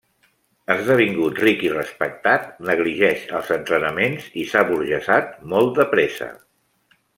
Esdevingut ric i respectat, negligeix els entrenaments i s'ha aburgesat molt de pressa.